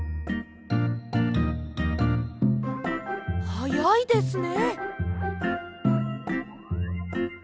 はやいですね。